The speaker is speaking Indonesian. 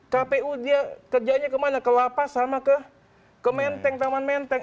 kpu dia kerjanya kemana ke lapas sama ke menteng taman menteng